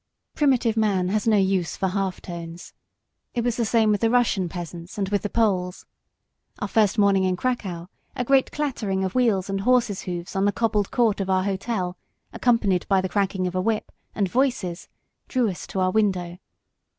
Primitive man has no use for half tones. It was the same with the Russian peasants and with the Poles. Our first morning in Krakau a great clattering of wheels and horses' hoofs on the cobbled court of our hotel, accompanied by the cracking of a whip and voices, drew us to our window.